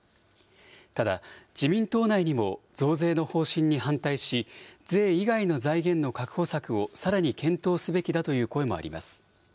ただ、自民党内にも増税の方針に反対し、税以外の財源の確保策をさらに検討すべきだという声もあります。